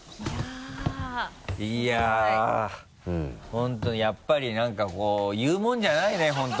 本当にやっぱりなんかこう言うもんじゃないね本当。